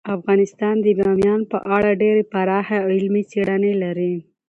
افغانستان د بامیان په اړه ډیرې پراخې او علمي څېړنې لري.